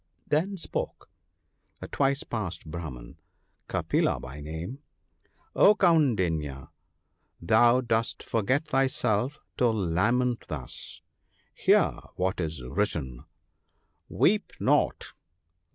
Then spoke a twice passed Brahman ( m ), Kapila by name, ' O Kaundinya ! thou dost forget thyself to lament thus. Hear what is written —" Weep not